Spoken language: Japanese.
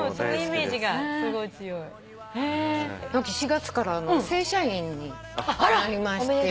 ４月から正社員になりまして。